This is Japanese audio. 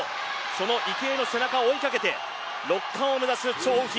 その池江の背中を追いかけて６冠を目指す張雨霏。